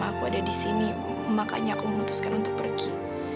sama aku ada disini makanya aku memutuskan untuk pergi